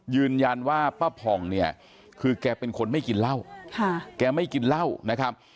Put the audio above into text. ยืนยันว่าป้าผ่องเนี่ยคือแกเป็นคนไม่กินเหล้าแกไม่กินเหล้านะครับ